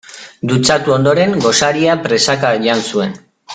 Dutxatu ondoren gosaria presaka jan zuen.